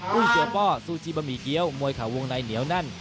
ุ้งเสียป้อซูชิบะหมี่เกี้ยวมวยเข่าวงในเหนียวแน่น